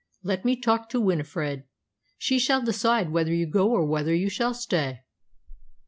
"Let me talk to Winifred. She shall decide whether you go or whether you shall stay."